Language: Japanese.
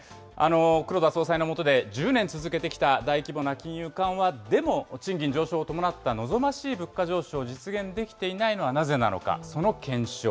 黒田総裁の下で１０年続けてきた大規模な金融緩和でも、賃金上昇を伴った望ましい物価上昇を実現できていないのはなぜなのか、その検証。